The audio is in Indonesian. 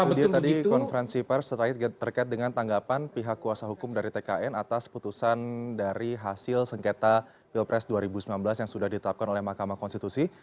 ya itu dia tadi konferensi pers terkait dengan tanggapan pihak kuasa hukum dari tkn atas putusan dari hasil sengketa pilpres dua ribu sembilan belas yang sudah ditetapkan oleh mahkamah konstitusi